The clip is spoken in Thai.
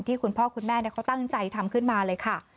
คุณพ่อคุณแม่เขาตั้งใจทำขึ้นมาเลยค่ะ